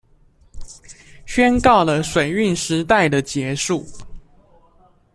宣告了水運時代的結束